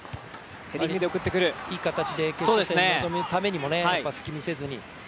いい形で決勝に臨むためにもやっぱり隙を見せずに。